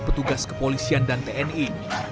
petugas kepolisian dan tni